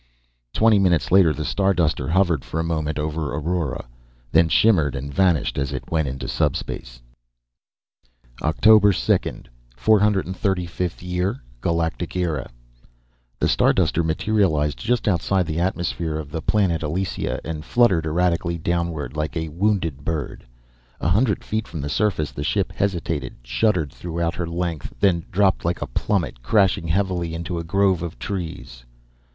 Twenty minutes later, the Starduster hovered for a moment over Aurora, then shimmered and vanished as it went into subspace. OCTOBER 2, 435th Year GALACTIC ERA The Starduster materialized just outside the atmosphere of the planet Elysia, and fluttered erratically downward, like a wounded bird. A hundred feet from the surface, the ship hesitated, shuddered throughout her length, then dropped like a plummet, crashing heavily into a grove of trees.